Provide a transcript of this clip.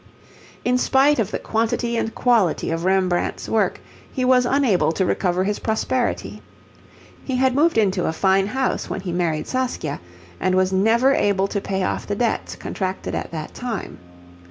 In spite of the quantity and quality of Rembrandt's work, he was unable to recover his prosperity. He had moved into a fine house when he married Saskia, and was never able to pay off the debts contracted at that time.